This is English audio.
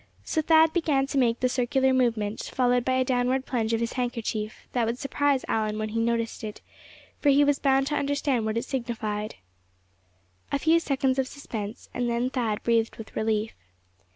So Thad began to make the circular movement, followed by a downward plunge of his handkerchief, that would surprise Allan when he noticed it, for he was bound to understand what it signified. A few seconds of suspense, and then Thad breathed with relief.